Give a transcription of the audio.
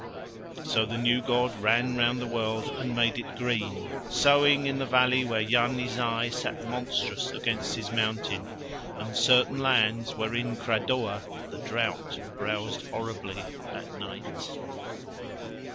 So the new god ran round the world and made it green, saying in the valley where Yarni Zai sat monstrous against his mountain and certain lands wherein Cradoa, the drought, browsed horribly at night.